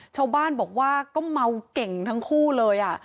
ชาวบ้านบอกว่าก็เมาเก่งทั้งคู่เลย